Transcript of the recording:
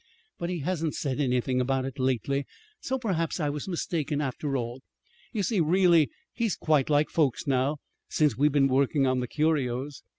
But he hasn't said anything about it lately; so perhaps I was mistaken, after all. You see, really, he's quite like folks, now, since we've been working on the curios."